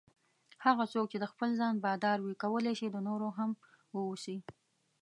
هغه څوک چې د خپل ځان بادار وي کولای شي د نورو هم واوسي.